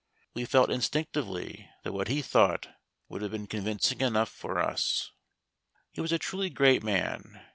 We felt instinctively that what he thought would have been convincing enough for us. He was a truly great man.